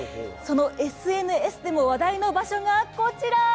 そのＳＮＳでも話題の場所が、こちら。